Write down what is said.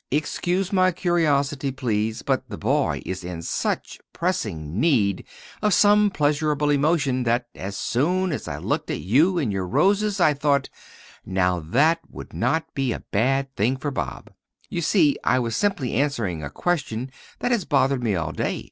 "Excuse my curiosity, please; but the boy is in such pressing need of some pleasurable emotion that as soon as I looked at you and your roses I thought, 'Now, that would not be a bad thing for Bob.' You see, I was simply answering a question that has bothered me all day.